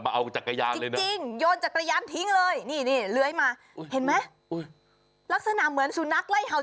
ไม่เบี้ยมาแล้วครับ